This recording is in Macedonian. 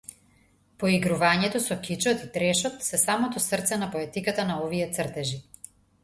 Поигрувањето со кичот и трешот се самото срце на поетиката на овие цртежи.